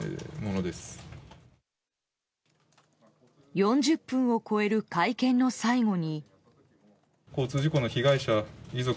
４０分を超える会見の最後に。